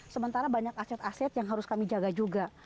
sementara banyak aset aset yang harus kami jaga juga